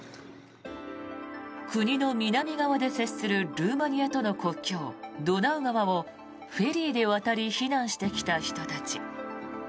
国の南側で接するルーマニアとの国境、ドナウ川をフェリーで渡り避難してきた人たち。